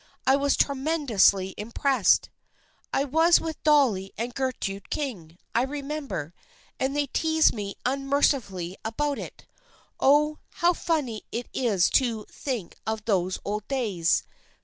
I was tremendously impressed. I was with Dolly and Gertrude King, I remember, and they teased me unmercifully about it. Oh, how funny it is to think of those old days